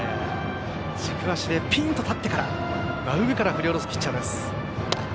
軸足でピンと立ってから真上から振り下ろすピッチャーです。